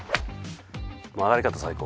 曲がり方最高。